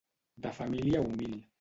De família humil.